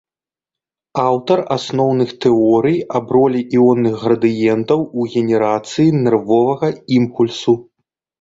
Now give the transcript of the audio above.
Аўтар асноўных тэорый аб ролі іонных градыентаў у генерацыі нервовага імпульсу.